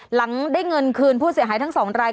หลังได้เงินคืนผู้เสียหายทั้ง๒ราย